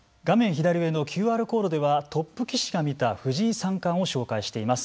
左上のＱＲコードではトップ棋士が見た藤井三冠を紹介しています。